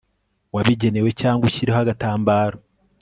wabigenewe cyangwa ushyireho agatambaro